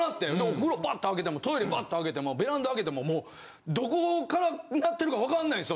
お風呂バッ！と開けてもトイレバッ！と開けてもベランダ開けてももうどこからなってるかわかんないんっすよ。